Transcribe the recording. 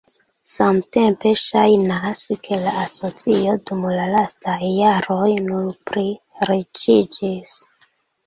Samtempe ŝajnas, ke la asocio dum la lastaj jaroj nur pliriĉiĝis.